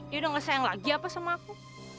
dia udah nggak sayang lagi apa sama aku